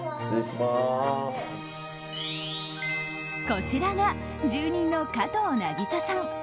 こちらが住人の加藤なぎささん。